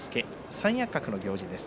三役格の行司です。